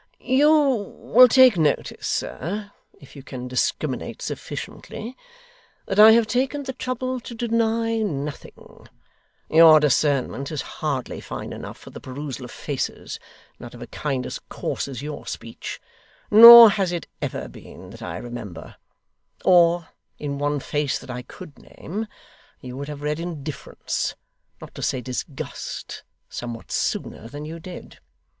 'You will take notice, sir if you can discriminate sufficiently that I have taken the trouble to deny nothing. Your discernment is hardly fine enough for the perusal of faces, not of a kind as coarse as your speech; nor has it ever been, that I remember; or, in one face that I could name, you would have read indifference, not to say disgust, somewhat sooner than you did.